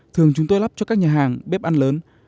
thường chúng tôi lắp cho các nhà hàng bếp ăn lớn